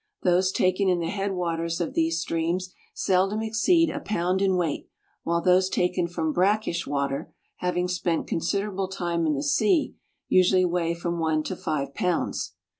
Those taken in the headwaters of these streams seldom exceed a pound in weight, while those taken from brackish water, having spent considerable time in the sea, usually weigh from one to five pounds.